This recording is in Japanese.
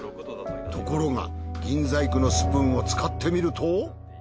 ところが銀細工のスプーンを使ってみると。